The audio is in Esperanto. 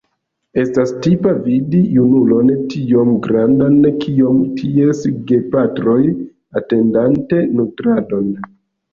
Estas tipa vidi junulon tiom grandan kiom ties gepatroj atendante nutradon.